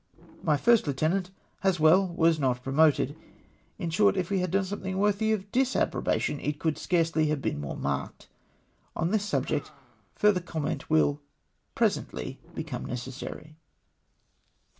My First Lieu tenant, Haswell, was not promoted. Li short, if we had done somethhig worthy of disapprobation, it coidd scarcely have been more marked. On this subject further comment will presently become necessary.